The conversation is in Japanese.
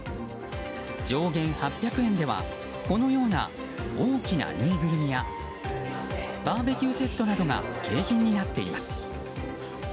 上限８００円ではこのような大きなぬいぐるみやバーベキューセットなどが景品になっています。